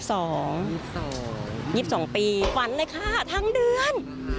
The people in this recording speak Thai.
๒๒ปีฝันเลยค่ะทั้งเดือน